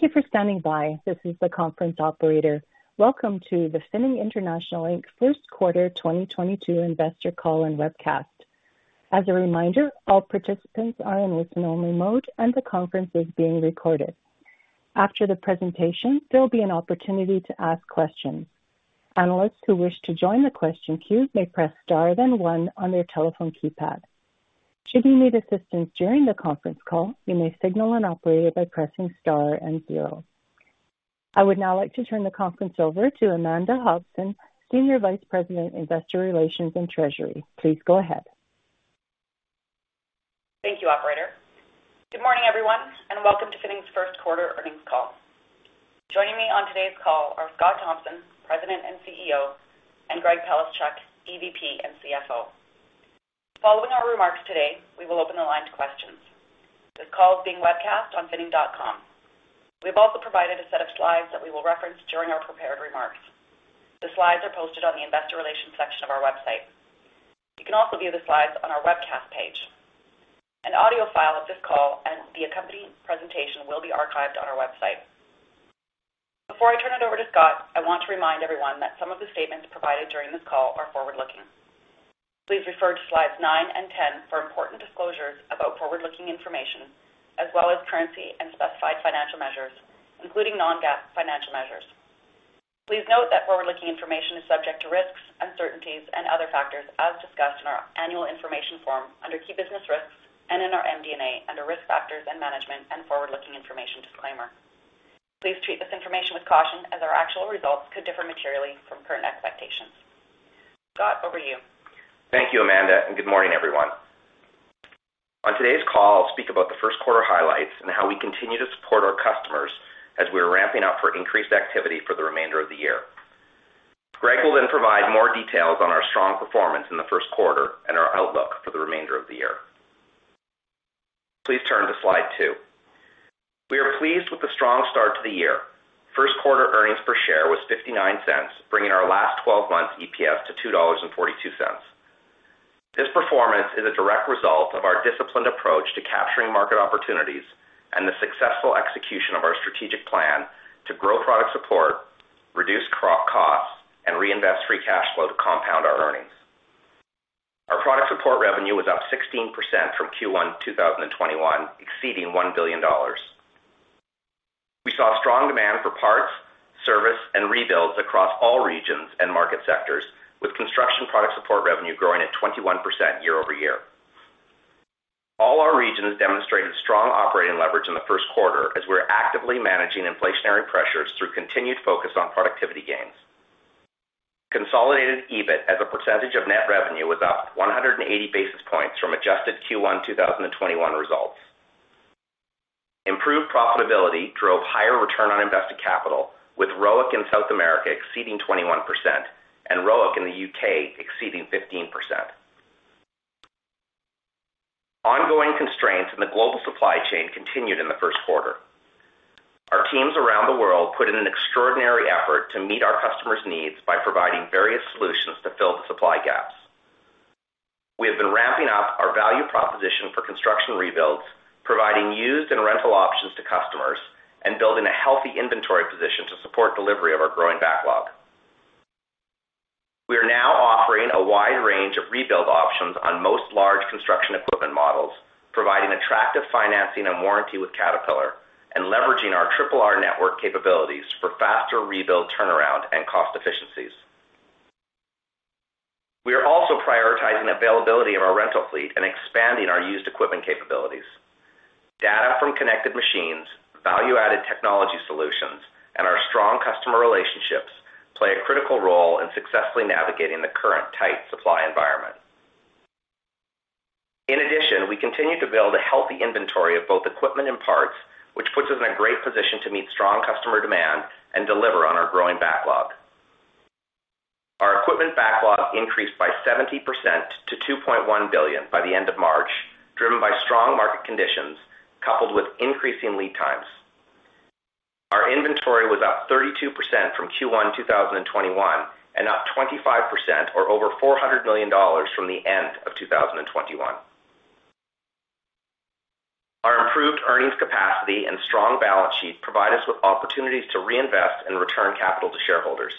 Thank you for standing by. This is the conference operator. Welcome to the Finning International Inc. First Quarter 2022 Investor Call and Webcast. As a reminder, all participants are in listen-only mode, and the conference is being recorded. After the presentation, there will be an opportunity to ask questions. Analysts who wish to join the question queue may press star then one on their telephone keypad. Should you need assistance during the conference call, you may signal an operator by pressing star and zero. I would now like to turn the conference over to Amanda Hobson, Senior Vice President, Investor Relations and Treasury. Please go ahead. Thank you, operator. Good morning, everyone, and welcome to Finning's first quarter earnings call. Joining me on today's call are Scott Thompson, President and CEO, and Greg Palaschuk, EVP and CFO. Following our remarks today, we will open the line to questions. This call is being webcast on finning.com. We have also provided a set of slides that we will reference during our prepared remarks. The slides are posted on the Investor Relations section of our website. You can also view the slides on our webcast page. An audio file of this call and the accompanying presentation will be archived on our website. Before I turn it over to Scott, I want to remind everyone that some of the statements provided during this call are forward-looking. Please refer to slides 9 and 10 for important disclosures about forward-looking information, as well as currency and specified financial measures, including non-GAAP financial measures. Please note that forward-looking information is subject to risks, uncertainties and other factors as discussed in our annual information form under Key Business Risks and in our MD&A under Risk Factors and Management and Forward-Looking Information Disclaimer. Please treat this information with caution as our actual results could differ materially from current expectations. Scott, over to you. Thank you, Amanda, and good morning, everyone. On today's call, I'll speak about the first quarter highlights and how we continue to support our customers as we are ramping up for increased activity for the remainder of the year. Greg will then provide more details on our strong performance in the first quarter and our outlook for the remainder of the year. Please turn to slide two. We are pleased with the strong start to the year. First quarter earnings per share was 0.59, bringing our last 12 months EPS to 2.42 dollars. This performance is a direct result of our disciplined approach to capturing market opportunities and the successful execution of our strategic plan to grow product support, reduce SG&A costs, and reinvest free cash flow to compound our earnings. Our product support revenue was up 16% from Q1 2021, exceeding 1 billion dollars. We saw strong demand for parts, service, and rebuilds across all regions and market sectors, with construction product support revenue growing at 21% year-over-year. All our regions demonstrated strong operating leverage in the first quarter as we're actively managing inflationary pressures through continued focus on productivity gains. Consolidated EBIT as a percentage of net revenue was up 180 basis points from adjusted Q1 2021 results. Improved profitability drove higher return on invested capital, with ROIC in South America exceeding 21% and ROIC in the UK exceeding 15%. Ongoing constraints in the global supply chain continued in the first quarter. Our teams around the world put in an extraordinary effort to meet our customers' needs by providing various solutions to fill the supply gaps. We have been ramping up our value proposition for construction rebuilds, providing used and rental options to customers, and building a healthy inventory position to support delivery of our growing backlog. We are now offering a wide range of rebuild options on most large construction equipment models, providing attractive financing and warranty with Caterpillar, and leveraging our triple R network capabilities for faster rebuild turnaround and cost efficiencies. We are also prioritizing availability of our rental fleet and expanding our used equipment capabilities. Data from connected machines, value-added technology solutions, and our strong customer relationships play a critical role in successfully navigating the current tight supply environment. In addition, we continue to build a healthy inventory of both equipment and parts, which puts us in a great position to meet strong customer demand and deliver on our growing backlog. Our equipment backlog increased by 70% to 2.1 billion by the end of March, driven by strong market conditions coupled with increasing lead times. Our inventory was up 32% from Q1 2021 and up 25% or over 400 million dollars from the end of 2021. Our improved earnings capacity and strong balance sheet provide us with opportunities to reinvest and return capital to shareholders.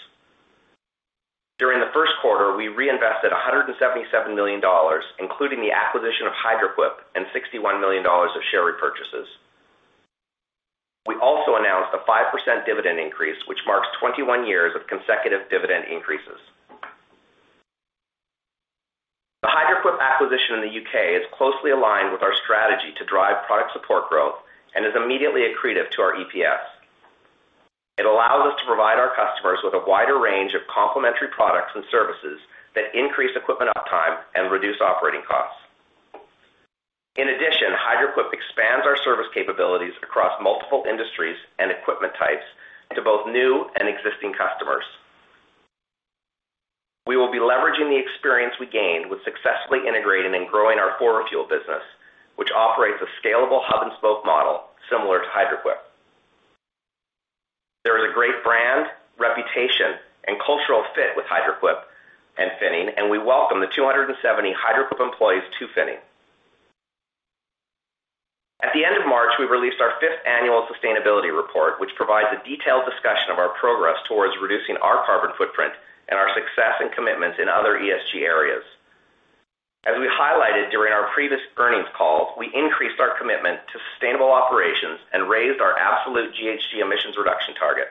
During the first quarter, we reinvested 177 million dollars, including the acquisition of Hydraquip and 61 million dollars of share repurchases. We also announced a 5% dividend increase, which marks 21 years of consecutive dividend increases. The Hydraquip acquisition in the UK is closely aligned with our strategy to drive product support growth and is immediately accretive to our EPS. It allows us to provide our customers with a wider range of complementary products and services that increase equipment uptime and reduce operating costs. In addition, Hydraquip expands our service capabilities across multiple industries and equipment types to both new and existing customers. We will be leveraging the experience we gained with successfully integrating and growing our 4Refuel business, which operates a scalable hub and spoke model similar to Hydraquip. There is a great brand, reputation, and cultural fit with Hydraquip and Finning, and we welcome the 270 Hydraquip employees to Finning. At the end of March, we released our fifth annual sustainability report, which provides a detailed discussion of our progress towards reducing our carbon footprint and our success and commitments in other ESG areas. As we highlighted during our previous earnings calls, we increased our commitment to sustainable operations and raised our absolute GHG emissions reduction target.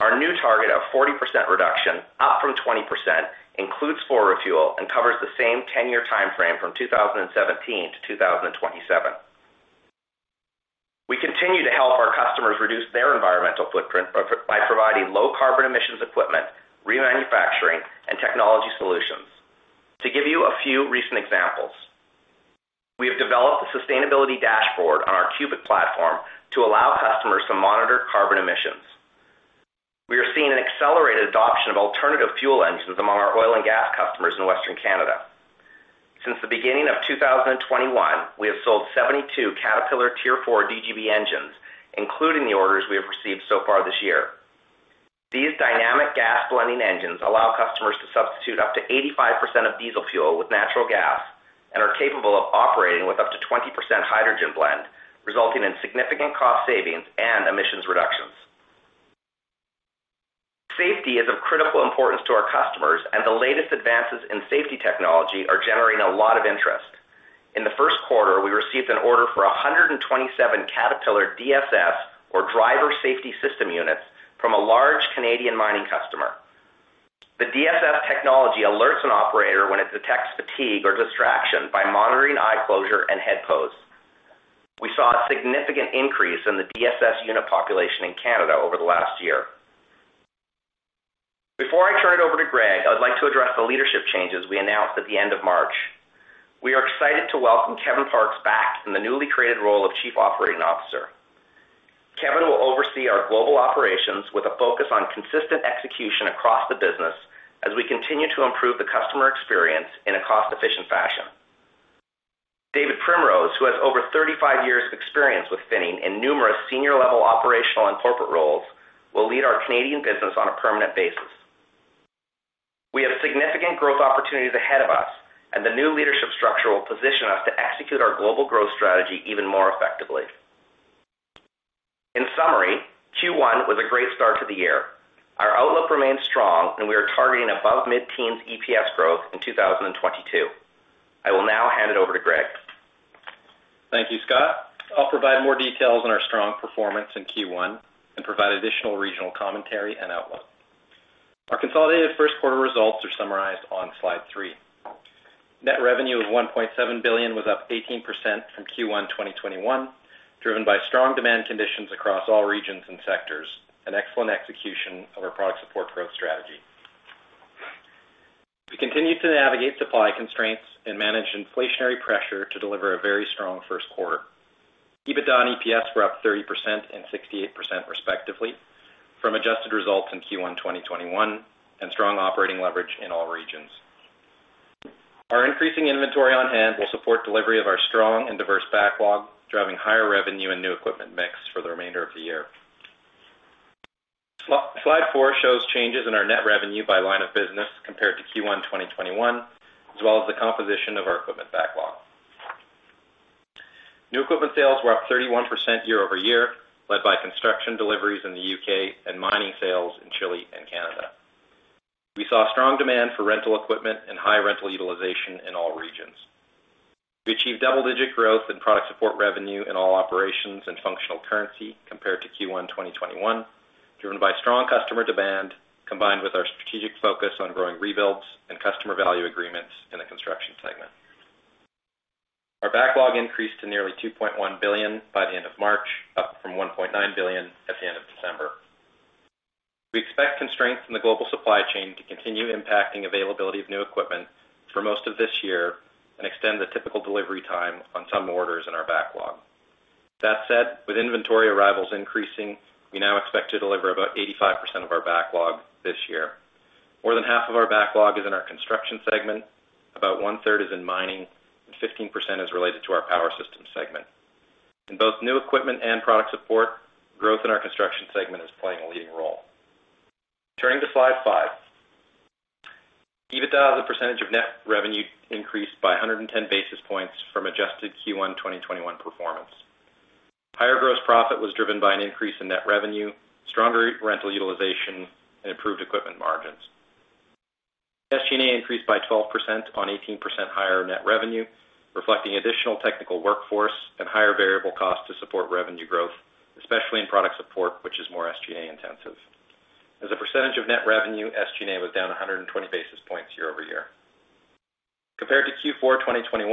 Our new target of 40% reduction, up from 20%, includes 4Refuel and covers the same 10-year time frame from 2017 to 2027. We continue to help our customers reduce their environmental footprint by providing low carbon emissions equipment, remanufacturing, and technology solutions. To give you a few recent examples, we have developed a sustainability dashboard on our CUBIQ platform to allow customers to monitor carbon emissions. We are seeing an accelerated adoption of alternative fuel engines among our oil and gas customers in Western Canada. Since the beginning of 2021, we have sold 72 Caterpillar Tier 4 DGB engines, including the orders we have received so far this year. These dynamic gas blending engines allow customers to substitute up to 85% of diesel fuel with natural gas and are capable of operating with up to 20% hydrogen blend, resulting in significant cost savings and emissions reductions. Safety is of critical importance to our customers, and the latest advances in safety technology are generating a lot of interest. In the first quarter, we received an order for 127 Caterpillar DSS, or Driver Safety System units, from a large Canadian mining customer. The DSS technology alerts an operator when it detects fatigue or distraction by monitoring eye closure and head pose. We saw a significant increase in the DSS unit population in Canada over the last year. Before I turn it over to Greg, I would like to address the leadership changes we announced at the end of March. We are excited to welcome Kevin Parkes back in the newly created role of Chief Operating Officer. Kevin will oversee our global operations with a focus on consistent execution across the business as we continue to improve the customer experience in a cost-efficient fashion. David Primrose, who has over 35 years of experience with Finning in numerous senior-level operational and corporate roles, will lead our Canadian business on a permanent basis. We have significant growth opportunities ahead of us, and the new leadership structure will position us to execute our global growth strategy even more effectively. In summary, Q1 was a great start to the year. Our outlook remains strong and we are targeting above mid-teens EPS growth in 2022. I will now hand it over to Greg. Thank you, Scott. I'll provide more details on our strong performance in Q1 and provide additional regional commentary and outlook. Our consolidated first quarter results are summarized on slide three. Net revenue of 1.7 billion was up 18% from Q1 2021, driven by strong demand conditions across all regions and sectors, and excellent execution of our product support growth strategy. We continue to navigate supply constraints and manage inflationary pressure to deliver a very strong first quarter. EBITDA and EPS were up 30% and 68% respectively from adjusted results in Q1 2021, and strong operating leverage in all regions. Our increasing inventory on hand will support delivery of our strong and diverse backlog, driving higher revenue and new equipment mix for the remainder of the year. Slide four shows changes in our net revenue by line of business compared to Q1 2021, as well as the composition of our equipment backlog. New equipment sales were up 31% year over year, led by construction deliveries in the UK and mining sales in Chile and Canada. We saw strong demand for rental equipment and high rental utilization in all regions. We achieved double-digit growth in product support revenue in all operations and functional currency compared to Q1 2021, driven by strong customer demand combined with our strategic focus on growing rebuilds and customer value agreements in the construction segment. Our backlog increased to nearly 2.1 billion by the end of March, up from 1.9 billion at the end of December. We expect constraints in the global supply chain to continue impacting availability of new equipment for most of this year and extend the typical delivery time on some orders in our backlog. That said, with inventory arrivals increasing, we now expect to deliver about 85% of our backlog this year. More than half of our backlog is in our construction segment, about one-third is in mining, and 15% is related to our power systems segment. In both new equipment and product support, growth in our construction segment is playing a leading role. Turning to slide 5. EBITDA as a percentage of net revenue increased by 110 basis points from adjusted Q1 2021 performance. Higher gross profit was driven by an increase in net revenue, stronger rental utilization and improved equipment margins. SG&A increased by 12% on 18% higher net revenue, reflecting additional technical workforce and higher variable cost to support revenue growth, especially in product support, which is more SG&A intensive. As a percentage of net revenue, SG&A was down 120 basis points year-over-year. Compared to Q4 2021,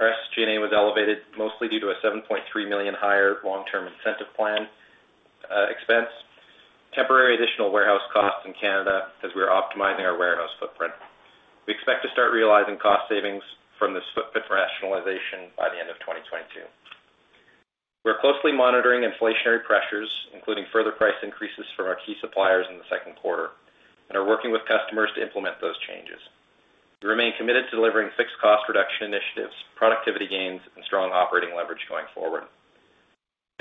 our SG&A was elevated mostly due to 7.3 million higher long-term incentive plan expense, temporary additional warehouse costs in Canada as we are optimizing our warehouse footprint. We expect to start realizing cost savings from this footprint rationalization by the end of 2022. We're closely monitoring inflationary pressures, including further price increases from our key suppliers in the second quarter, and are working with customers to implement those changes. We remain committed to delivering fixed cost reduction initiatives, productivity gains, and strong operating leverage going forward.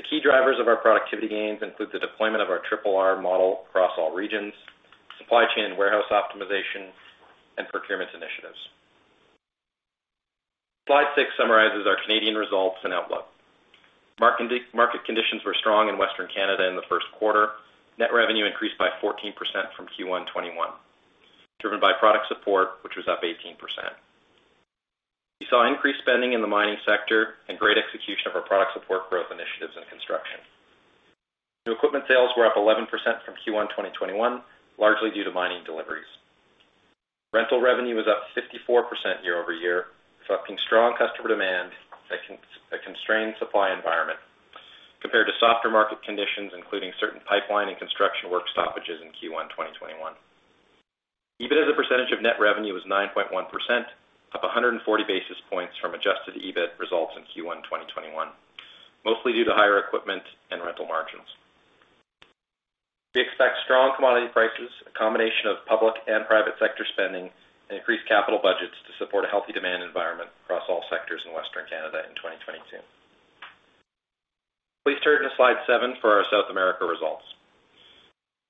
The key drivers of our productivity gains include the deployment of our triple R model across all regions, supply chain and warehouse optimization, and procurement initiatives. Slide six summarizes our Canadian results and outlook. Market conditions were strong in Western Canada in the first quarter. Net revenue increased by 14% from Q1 2021, driven by product support, which was up 18%. We saw increased spending in the mining sector and great execution of our product support growth initiatives and construction. New equipment sales were up 11% from Q1 2021, largely due to mining deliveries. Rental revenue was up 54% year-over-year, reflecting strong customer demand in a constrained supply environment compared to softer market conditions, including certain pipeline and construction work stoppages in Q1 2021. EBIT as a percentage of net revenue was 9.1%, up 140 basis points from adjusted EBIT results in Q1 2021, mostly due to higher equipment and rental margins. We expect strong commodity prices, a combination of public and private sector spending, and increased capital budgets to support a healthy demand environment across all sectors in Western Canada in 2022. Please turn to slide seven for our South America results.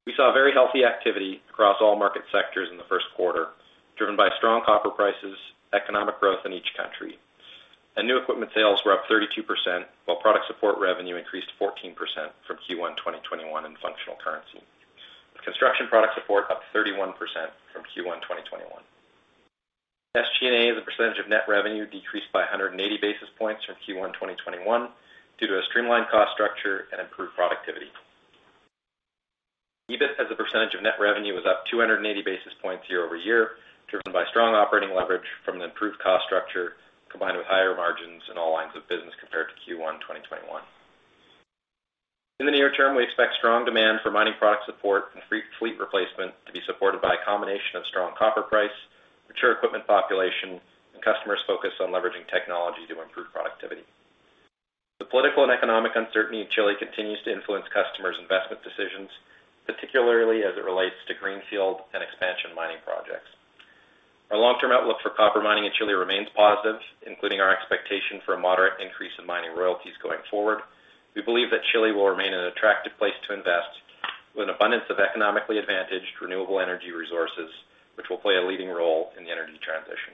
We saw very healthy activity across all market sectors in the first quarter, driven by strong copper prices, economic growth in each country. New equipment sales were up 32%, while product support revenue increased 14% from Q1 2021 in functional currency. Construction product support up 31% from Q1 2021. SG&A as a percentage of net revenue decreased by 180 basis points from Q1 2021 due to a streamlined cost structure and improved productivity. EBIT as a percentage of net revenue was up 280 basis points year-over-year, driven by strong operating leverage from an improved cost structure, combined with higher margins in all lines of business compared to Q1 2021. In the near term, we expect strong demand for mining product support and fleet replacement to be supported by a combination of strong copper price, mature equipment population, and customers focused on leveraging technology to improve productivity. The political and economic uncertainty in Chile continues to influence customers' investment decisions, particularly as it relates to greenfield and expansion mining projects. Our long-term outlook for copper mining in Chile remains positive, including our expectation for a moderate increase in mining royalties going forward. We believe that Chile will remain an attractive place to invest, with an abundance of economically advantaged renewable energy resources, which will play a leading role in the energy transition.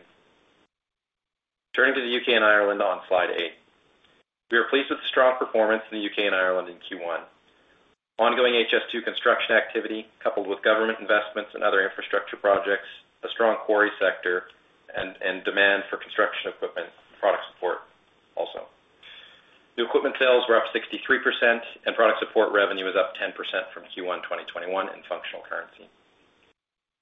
Turning to the U.K. and Ireland on slide eight. We are pleased with the strong performance in the U.K. and Ireland in Q1. Ongoing HS2 construction activity coupled with government investments and other infrastructure projects, a strong quarry sector and demand for construction equipment product support also. New equipment sales were up 63% and product support revenue is up 10% from Q1 2021 in functional currency.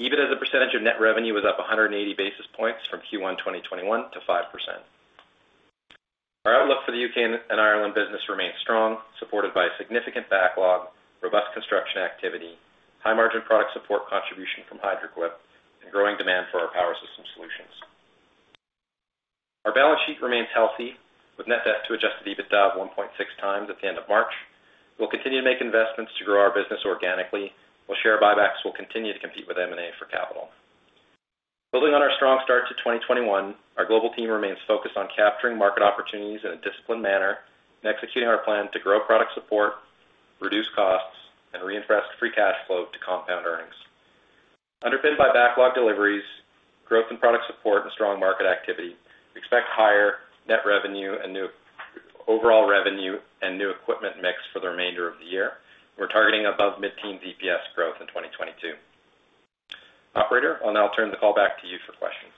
EBIT as a percentage of net revenue was up 180 basis points from Q1 2021 to 5%. Our outlook for the U.K. and Ireland business remains strong, supported by significant backlog, robust construction activity, high margin product support contribution from Hydraquip, and growing demand for our power system solutions. Our balance sheet remains healthy, with net debt to adjusted EBITDA of 1.6x at the end of March. We'll continue to make investments to grow our business organically, while share buybacks will continue to compete with M&A for capital. Building on our strong start to 2021, our global team remains focused on capturing market opportunities in a disciplined manner and executing our plan to grow product support, reduce costs, and reinvest free cash flow to compound earnings. Underpinned by backlog deliveries, growth in product support and strong market activity, we expect higher overall revenue and new equipment mix for the remainder of the year. We're targeting above mid-teen EPS growth in 2022. Operator, I'll now turn the call back to you for questions.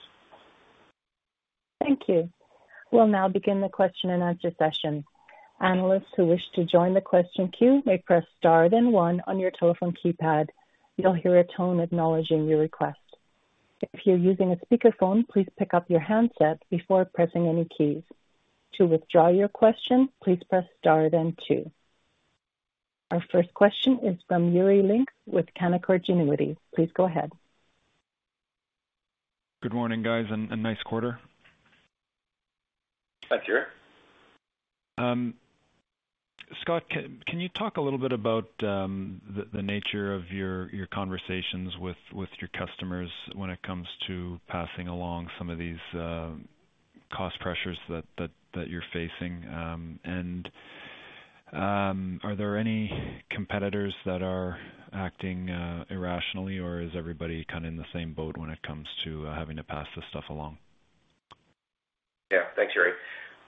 Thank you. We'll now begin the question-and-answer session. Analysts who wish to join the question queue may press star then one on your telephone keypad. You'll hear a tone acknowledging your request. If you're using a speakerphone, please pick up your handset before pressing any keys. To withdraw your question, please press star then two. Our first question is from Yuri Lynk with Canaccord Genuity. Please go ahead. Good morning, guys, and nice quarter. Thanks, Yuri. Scott, can you talk a little bit about the nature of your conversations with your customers when it comes to passing along some of these cost pressures that you're facing? Are there any competitors that are acting irrationally or is everybody kind of in the same boat when it comes to having to pass this stuff along? Yeah. Thanks, Yuri.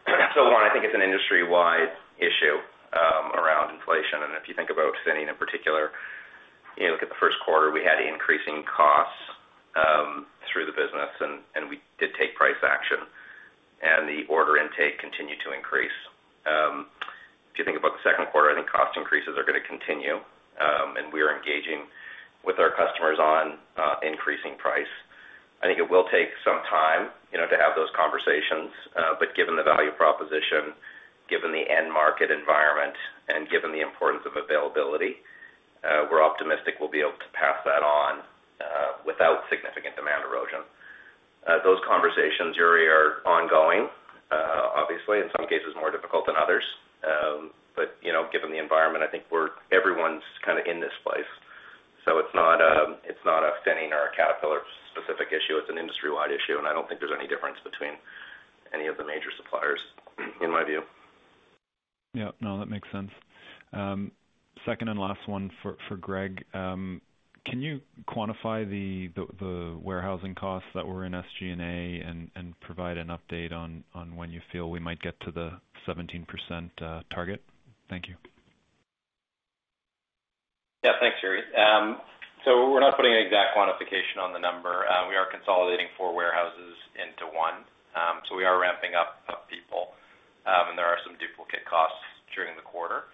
One, I think it's an industry-wide issue around inflation. If you think about Finning in particular, you look at the first quarter, we had increasing costs through the business and we did take price action and the order intake continued to increase. If you think about the second quarter, I think cost increases are gonna continue and we are engaging with our customers on increasing price. I think it will take some time, you know, to have those conversations, but given the value proposition, given the end market environment, and given the importance of availability, we're optimistic we'll be able to pass that on without significant demand erosion. Those conversations, Yuri, are ongoing. Obviously in some cases more difficult than others. You know, given the environment, I think everyone's kind of in this place, so it's not, it's not a Finning or a Caterpillar specific issue. It's an industry-wide issue, and I don't think there's any difference between any of the major suppliers, in my view. Yeah. No, that makes sense. Second and last one for Greg. Can you quantify the warehousing costs that were in SG&A and provide an update on when you feel we might get to the 17% target? Thank you. Yeah. Thanks, Yuri. We're not putting an exact quantification on the number. We are consolidating four warehouses into one. We are ramping up people, and there are some duplicate costs during the quarter.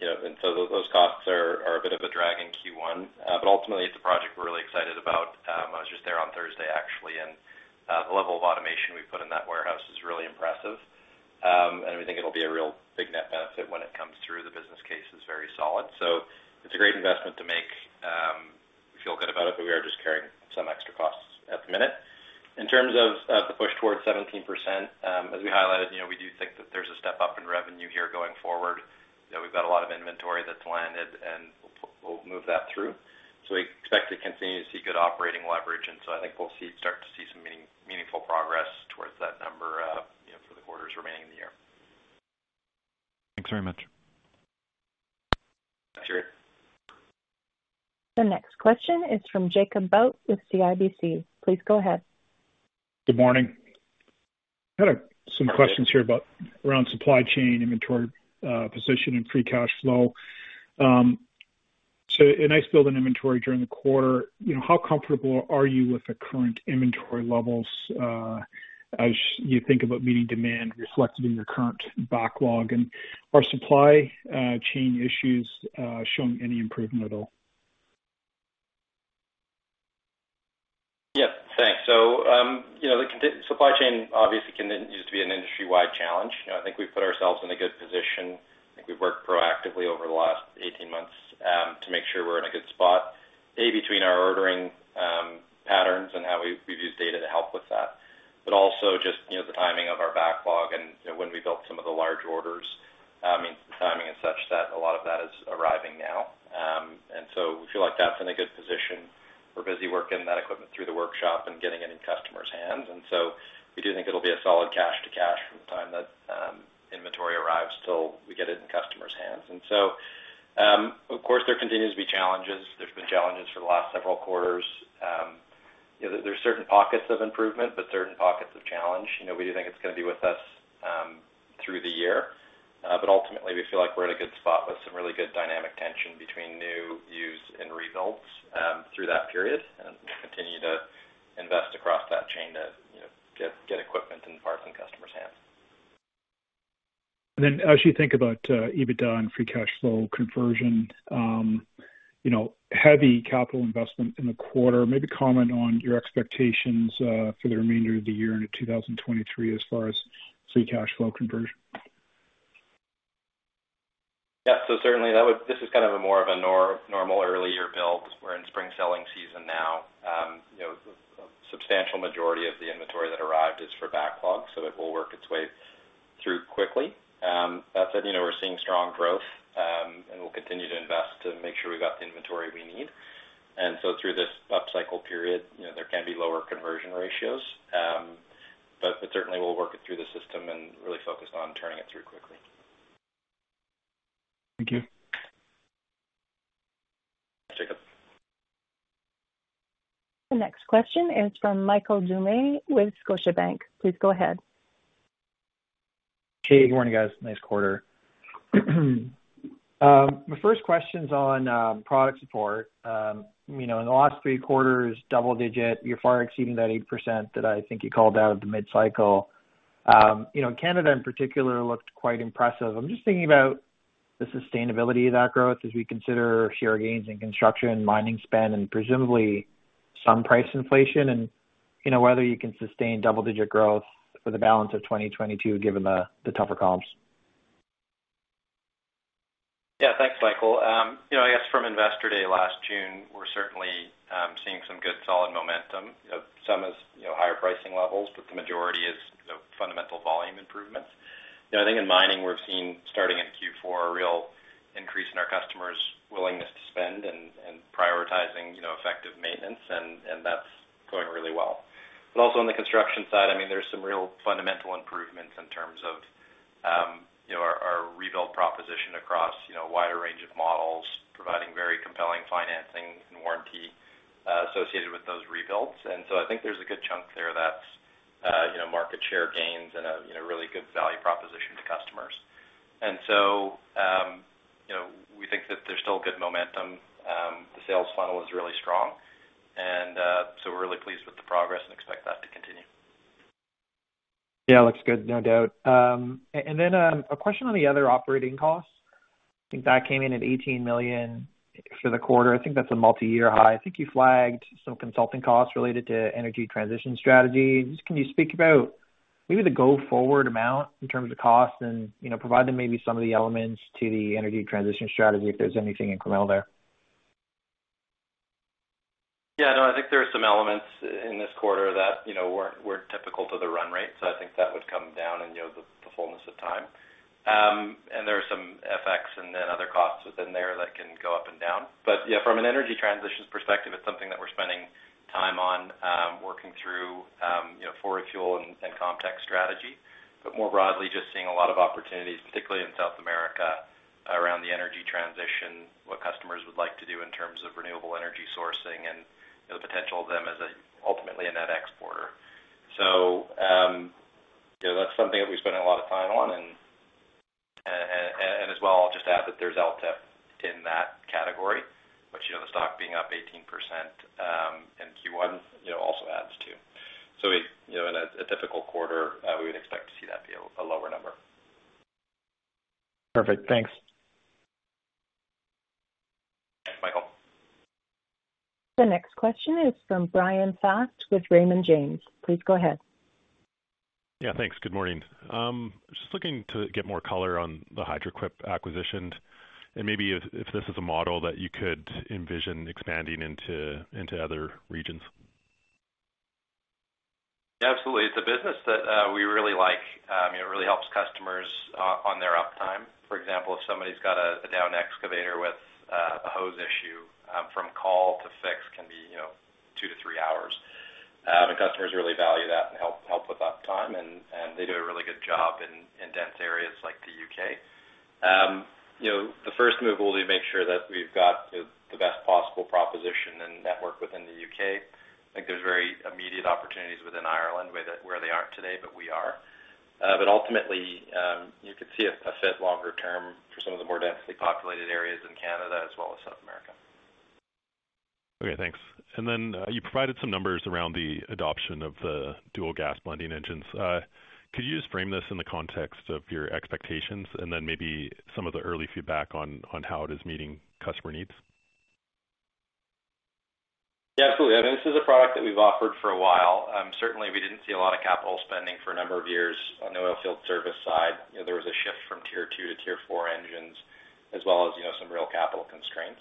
You know, those costs are a bit of a drag in Q1. Ultimately, it's a project we're really excited about. I was just there on Thursday actually, and the level of automation we put in that warehouse is really impressive. We think it'll be a real big net benefit when it comes through. The business case is very solid. It's a great investment to make. We feel good about it, but we are just carrying some extra costs at the minute. In terms of the push towards 17%, as we highlighted, you know, we do think that there's a step up in revenue here going forward, that we've got a lot of inventory that's landed, and we'll move that through. We expect to continue to see good operating leverage, and so I think we'll start to see some meaningful progress towards that number, you know, for the quarters remaining in the year. Thanks very much. Thanks, Yuri. The next question is from Jacob Bout with CIBC. Please go ahead. Good morning. Had some questions here about around supply chain inventory position and free cash flow. So a nice build in inventory during the quarter. You know, how comfortable are you with the current inventory levels as you think about meeting demand reflected in your current backlog? Are supply chain issues showing any improvement at all? Yeah. Thanks. The supply chain obviously continues to be an industry-wide challenge. You know, I think we've put ourselves in a good position. I think we've worked proactively over the last 18 months to make sure we're in a good spot, A, between our ordering patterns and how we've used data to help with that. But also just, you know, the timing of our backlog and, you know, when we built some of the large orders means the timing is such that a lot of that is arriving now. We feel like that's in a good position. We're busy working that equipment through the workshop and getting it in customers' hands. We do think it'll be a solid cash to cash from the time that inventory arrives till we get it in customers' hands. Of course, there continues to be challenges. There's been challenges for the last several quarters. You know, there's certain pockets of improvement, but certain pockets of challenge. You know, we do think it's gonna be with us through the year. But ultimately, we feel like we're in a good spot with some really good dynamic tension between new, used, and rebuilds through that period, and continue to invest across that chain to, you know, get equipment and parts in customers' hands. As you think about EBITDA and free cash flow conversion, you know, heavy capital investment in the quarter, maybe comment on your expectations for the remainder of the year into 2023 as far as free cash flow conversion? Yeah. Certainly this is kind of a more of a normal early year build. We're in spring selling season now. You know, a substantial majority of the inventory that arrived is for backlog, so it will work its way through quickly. That said, you know, we're seeing strong growth, and we'll continue to invest to make sure we've got the inventory we need. Through this upcycle period, you know, there can be lower conversion ratios. But certainly we'll work it through the system and really focus on turning it through quickly. Thank you. Thanks, Jacob. The next question is from Michael Doumet with Scotiabank. Please go ahead. Hey, good morning, guys. Nice quarter. My first question's on product support. You know, in the last three quarters, double-digit, you're far exceeding that 8% that I think you called out at the mid-cycle. You know, Canada in particular looked quite impressive. I'm just thinking about the sustainability of that growth as we consider share gains in construction, mining spend, and presumably some price inflation and, you know, whether you can sustain double-digit growth for the balance of 2022 given the tougher comps. Yeah. Thanks, Michael. You know, I guess from Investor Day last June, we're certainly seeing some good solid momentum. You know, some is you know, higher pricing levels, but the majority is you know, fundamental volume improvements. You know, I think in mining, we're seeing starting in Q4 a real increase in our customers' willingness to spend and prioritizing you know, effective maintenance and that's going really well. Also on the construction side, I mean, there's some real fundamental improvements in terms of you know, our rebuild proposition across you know, a wider range of models, providing very compelling financing and warranty associated with those rebuilds. I think there's a good chunk there that's you know, market share gains and a you know, really good value proposition to customers. you know, we think that there's still good momentum. The sales funnel is really strong and, so we're really pleased with the progress and expect that to continue. Yeah, looks good. No doubt. A question on the other operating costs. I think that came in at 18 million for the quarter. I think that's a multiyear high. I think you flagged some consulting costs related to energy transition strategies. Can you speak about maybe the go-forward amount in terms of cost and, you know, provide maybe some of the elements to the energy transition strategy, if there's anything incremental there? Yeah, no, I think there are some elements in this quarter that, you know, weren't typical to the run rate, so I think that would come down in, you know, the fullness of time. There are some FX and then other costs within there that can go up and down. Yeah, from an energy transitions perspective, it's something that we're spending time on, working through, you know, 4Refuel and ComTech strategy. More broadly, just seeing a lot of opportunities, particularly in South America, around the energy transition, what customers would like to do in terms of renewable energy sourcing and, you know, the potential of them as ultimately a net exporter. you know, that's something that we spend a lot of time on and as well, I'll just add that there's LTIP in that category, which, you know, the stock being up 18% in Q1, you know, also adds to. You know, in a difficult quarter, we would expect to see that be a lower number. Perfect. Thanks. Thanks, Michael. The next question is from Bryan Fast with Raymond James. Please go ahead. Yeah, thanks. Good morning. Just looking to get more color on the Hydraquip acquisition and maybe if this is a model that you could envision expanding into other regions. Yeah, absolutely. It's a business that we really like. It really helps customers on their uptime. For example, if somebody's got a down excavator with a hose issue, from call to fix can be, you know, two to three hours. The customers really value that and help with uptime and they do a really good job in dense areas like the U.K. You know, the first move will be to make sure that we've got the best possible proposition and network within the U.K. I think there's very immediate opportunities within Ireland where they aren't today, but we are. But ultimately, you could see a fit longer term for some of the more densely populated areas in Canada as well as South America. Okay, thanks. You provided some numbers around the adoption of the dual gas blending engines. Could you just frame this in the context of your expectations and then maybe some of the early feedback on how it is meeting customer needs? Yeah, absolutely. I mean, this is a product that we've offered for a while. Certainly we didn't see a lot of capital spending for a number of years on the oilfield service side. You know, there was a shift from Tier 2 to Tier 4 engines, as well as, you know, some real capital constraints.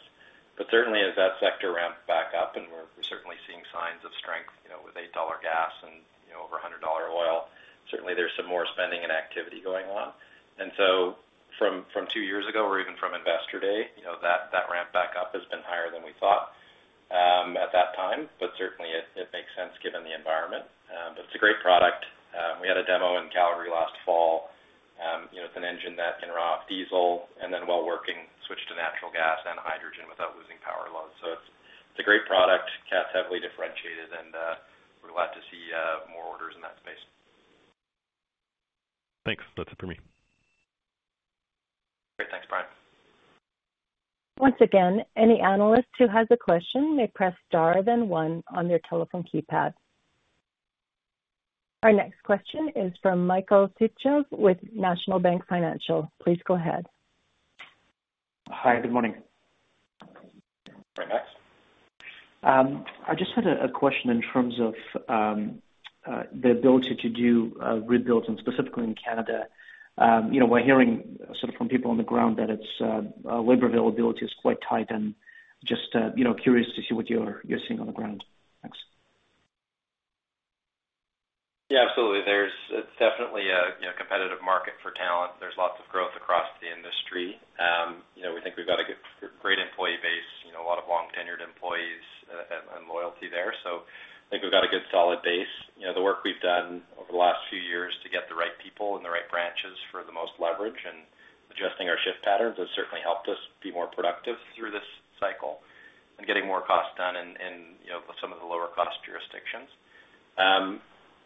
Certainly as that sector ramped back up, and we're certainly seeing signs of strength, you know, with $8 gas and, you know, over $100 oil, certainly there's some more spending and activity going on. From two years ago or even from Investor Day, you know, that ramp back up has been higher than we thought, at that time. Certainly it makes sense given the environment. It's a great product. We had a demo in Calgary last fall. You know, it's an engine that can run off diesel and then while working switch to natural gas and hydrogen without losing power loads. It's a great product. CAT's heavily differentiated, and we're glad to see more orders in that space. Thanks. That's it for me. Great. Thanks, Bryan. Once again, any analyst who has a question may press star then one on their telephone keypad. Our next question is from Michael Doumet with National Bank Financial. Please go ahead. Hi, good morning. Right, Mike. I just had a question in terms of the ability to do rebuilds and specifically in Canada. You know, we're hearing sort of from people on the ground that labor availability is quite tight, and just you know, curious to see what you're seeing on the ground. Thanks. Yeah, absolutely. It's definitely a, you know, competitive market for talent. There's lots of growth across the industry. You know, we think we've got a good, great employee base, you know, a lot of long-tenured employees, and loyalty there. So I think we've got a good solid base. You know, the work we've done over the last few years to get the right people in the right branches for the most leverage and adjusting our shift patterns has certainly helped us be more productive through this cycle and getting more cost done in, you know, some of the lower cost jurisdictions.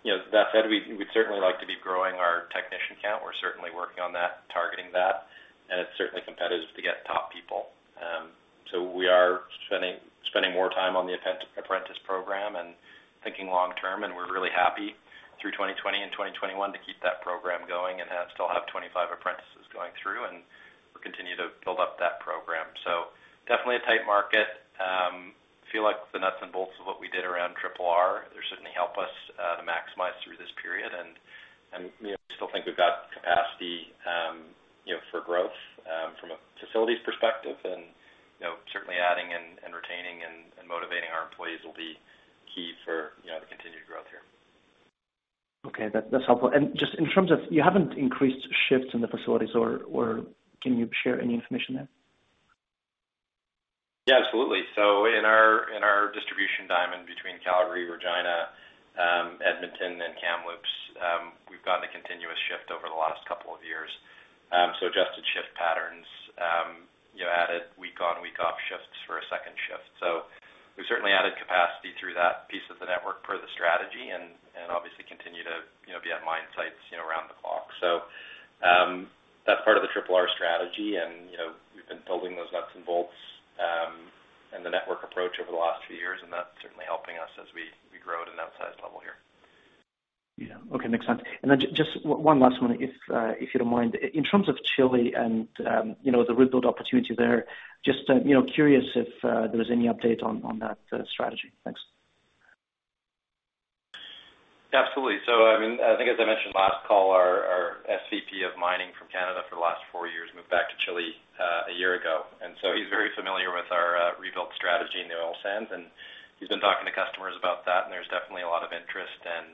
You know, that said, we'd certainly like to be growing our technician count. We're certainly working on that, targeting that, and it's certainly competitive to get top people. We are spending more time on the apprentice program and thinking long term, and we're really happy through 2020 and 2021 to keep that program going and have 25 apprentices going through, and we'll continue to build up that program. Definitely a tight market. Feel like the nuts and bolts of what we did around triple R, they certainly help us to maximize through this period. You know, still think we've got capacity, you know, for growth from a facilities perspective and, you know, certainly adding, retaining, and motivating our employees will be key for, you know, the continued growth here. Okay. That, that's helpful. Just in terms of you haven't increased shifts in the facilities or can you share any information there? Yeah, absolutely. In our distribution diamond between Calgary, Regina, Edmonton and Kamloops, we've gotten a continuous shift over the last couple of years. Adjusted shift patterns, you know, added week on, week off shifts for a second shift. We've certainly added capacity through that piece of the network per the strategy and obviously continue to, you know, be at mine sites, you know, around the clock. That's part of the triple R strategy. You know, we've been building those nuts and bolts and the network approach over the last few years, and that's certainly helping us as we grow at an outsized level here. Yeah. Okay. Makes sense. Then just one last one, if you don't mind. In terms of Chile and, you know, the rebuild opportunity there, just, you know, curious if there was any update on that strategy. Thanks. Absolutely. I mean, I think as I mentioned last call, our SVP of mining from Canada for the last four years moved back to Chile, one year ago. He's very familiar with our rebuilt strategy in the oil sands, and he's been talking to customers about that, and there's definitely a lot of interest and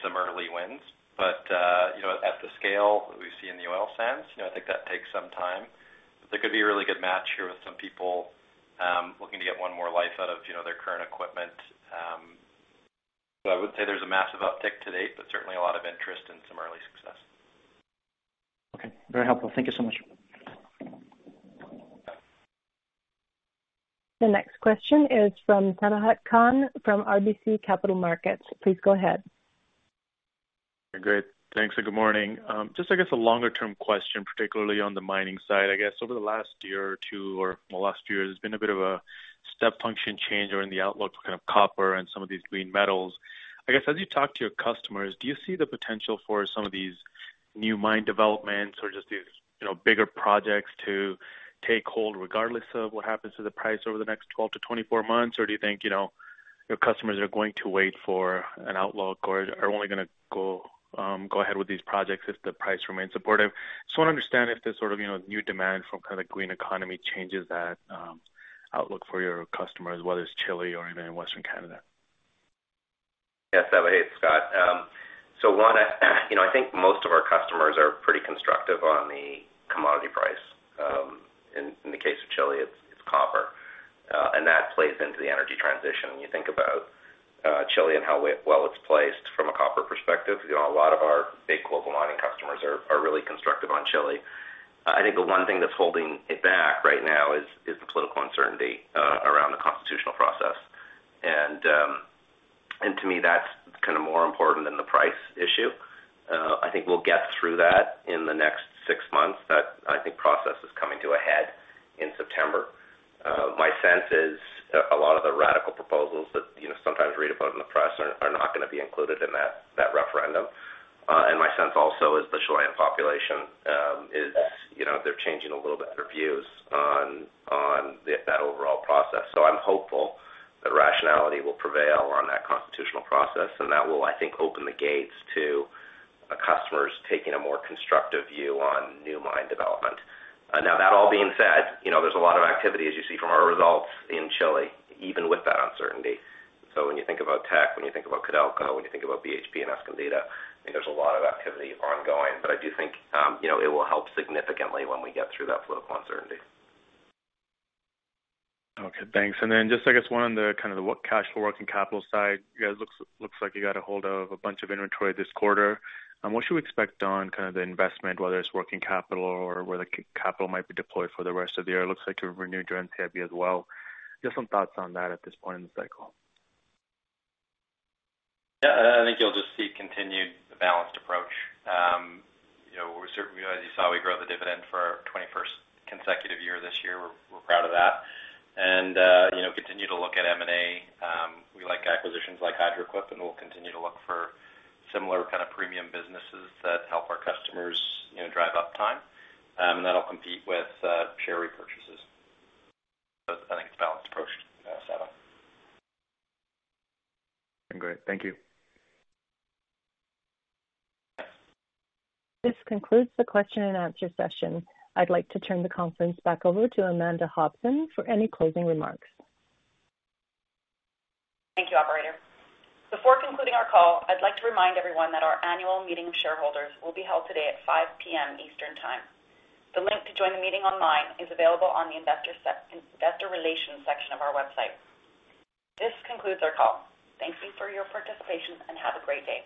some early wins. You know, at the scale we see in the oil sands, you know, I think that takes some time. There could be a really good match here with some people looking to get 1 more life out of, you know, their current equipment. I would say there's a massive uptick to date, but certainly a lot of interest and some early success. Okay, very helpful. Thank you so much. The next question is from Sabahat Khan from RBC Capital Markets. Please go ahead. Great. Thanks, and good morning. Just I guess a longer-term question, particularly on the mining side. I guess over the last year or two, last year, there's been a bit of a step function change during the outlook for kind of copper and some of these green metals. I guess, as you talk to your customers, do you see the potential for some of these new mine developments or just these, you know, bigger projects to take hold regardless of what happens to the price over the next 12-24 months? Or do you think, you know, your customers are going to wait for an outlook or are only gonna go ahead with these projects if the price remains supportive? Just wanna understand if this sort of, you know, new demand from kind of green economy changes that outlook for your customers, whether it's Chile or even in Western Canada. Yes, hey, it's Scott. So one, you know, I think most of our customers are pretty constructive on the commodity price. In the case of Chile, it's copper, and that plays into the energy transition. When you think about Chile and how well it's placed from a copper perspective, you know, a lot of our big global mining customers are really constructive on Chile. I think the one thing that's holding it back right now is the political uncertainty around the constitutional process. To me, that's kind of more important than the price issue. I think we'll get through that in the next six months. That, I think, process is coming to a head in September. My sense is a lot of the radical proposals that, you know, sometimes read about in the press are not gonna be included in that referendum. My sense also is the Chilean population is, you know, they're changing a little bit their views on that overall process. I'm hopeful that rationality will prevail on that constitutional process, and that will, I think, open the gates to customers taking a more constructive view on new mine development. Now that all being said, you know, there's a lot of activity, as you see from our results in Chile, even with that uncertainty. When you think about Teck, when you think about Codelco, when you think about BHP and Escondida, I think there's a lot of activity ongoing. I do think, you know, it will help significantly when we get through that political uncertainty. Okay, thanks. Just I guess one on the kind of the what cash flow working capital side. You guys look like you got a hold of a bunch of inventory this quarter. What should we expect on kind of the investment, whether it's working capital or where the capital might be deployed for the rest of the year? It looks like you've renewed your NCIB as well. Just some thoughts on that at this point in the cycle. Yeah, I think you'll just see continued balanced approach. You know, as you saw, we grew the dividend for our 21st consecutive year this year. We're proud of that. You know, continue to look at M&A. We like acquisitions like Hydraquip, and we'll continue to look for similar kind of premium businesses that help our customers, you know, drive up time. That'll compete with share repurchases. I think it's a balanced approach, Sabahat. Great. Thank you. This concludes the question and answer session. I'd like to turn the conference back over to Amanda Hobson for any closing remarks. Thank you, operator. Before concluding our call, I'd like to remind everyone that our annual meeting of shareholders will be held today at 5:00 P.M. Eastern Time. The link to join the meeting online is available on the investor relations section of our website. This concludes our call. Thank you for your participation, and have a great day.